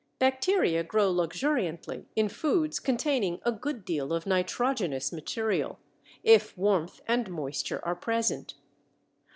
Bacteria grow luxuriantly in foods containing a good deal of nitrogenous material, if warmth and moisture are present.